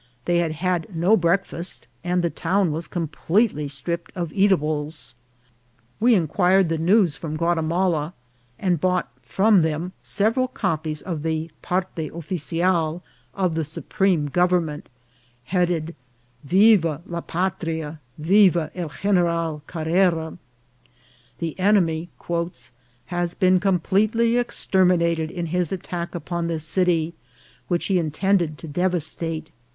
They had had no breakfast, and the town was completely stripped of eatables. We in A. BULLETIN. 77 quired the news from Guatiraala, and bought from them several copies of the " Parte Official" of the Supreme Government, headed " Viva la Patria ! Viva el Gener al Carrera ! The enemy has been completely extermi nated in his attack upon this city, which he intended to devastate.